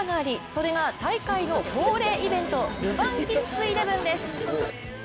それが大会の恒例イベントルヴァンキッズイレブンです。